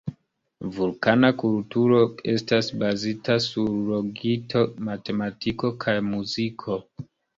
Vulkana kulturo estas bazita sur logiko, matematiko kaj muziko.